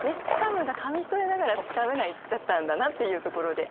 「掴む」が紙一重ながら掴めないだったんだなっていうところで。